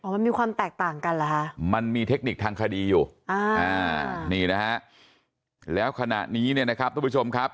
มันมีความแตกต่างกันเหรอฮะมันมีเทคนิคทางคดีอยู่นี่นะฮะแล้วขณะนี้เนี่ยนะครับทุกผู้ชมครับ